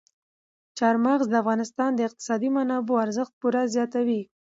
چار مغز د افغانستان د اقتصادي منابعو ارزښت پوره زیاتوي.